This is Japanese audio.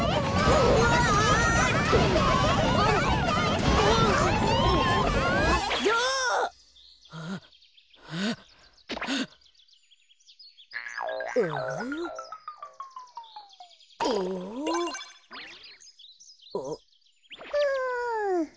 うん！